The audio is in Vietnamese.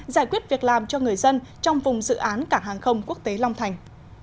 giải quyết việc làm cho người dân trong vùng dự án cảng hàng không quốc tế long thành